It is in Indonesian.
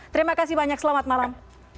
terima kasih banyak selamat malam